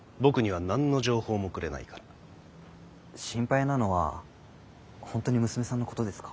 心配なのは本当に娘さんのことですか？